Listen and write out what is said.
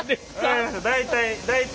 大体大体。